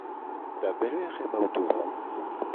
Da belec'h emaout o vont ?